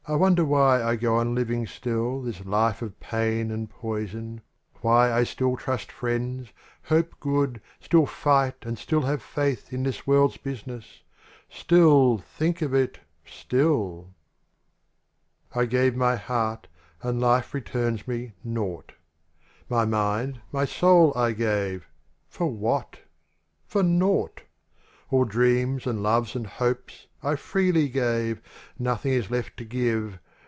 WONDER why I go on living still This life of pain and poison, why I still Trust friends, hope good, still fight and still have faith In this world's business — ^still, think of it, — stilll GAVE my heart, and life returns me — nought; My mind, my soul, I gave — for what? For nought ; All dreams and loves and hopes I freely gave; Nothing is left to give.